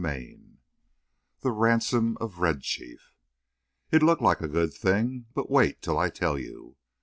VIII THE RANSOM OF RED CHIEF It looked like a good thing: but wait till I tell you.